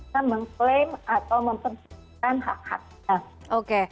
dan mengklaim atau mempersempatikan hak haknya